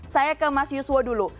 saya ke mas yuswo dulu